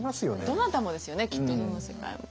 どなたもですよねきっとどの世界も。